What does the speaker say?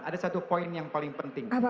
ada satu poin yang paling penting